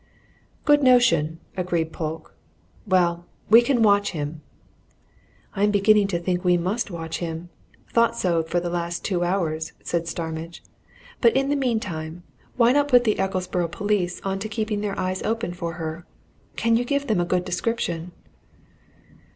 "Good notion!" agreed Polke. "Well we can watch him." "I'm beginning to think we must watch him thought so for the last two hours," said Starmidge. "But in the meantime, why not put the Ecclesborough police on to keeping their eyes open for her? Can you give them a good description?"